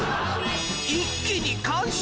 一気に完食！